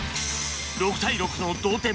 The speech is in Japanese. ６対６の同点